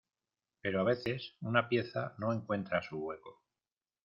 pero a veces una pieza no encuentra su hueco